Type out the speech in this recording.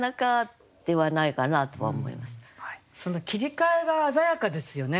その切り替えが鮮やかですよね。